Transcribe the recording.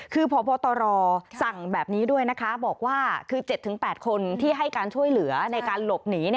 คือพบตรสั่งแบบนี้ด้วยนะคะบอกว่าคือ๗๘คนที่ให้การช่วยเหลือในการหลบหนี